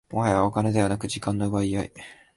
もはやお金ではなく時間の奪い合い